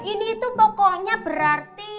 ini tuh pokoknya berarti